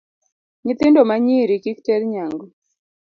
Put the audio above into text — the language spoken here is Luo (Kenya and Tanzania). Nyithindo manyiri kik ter nyangu.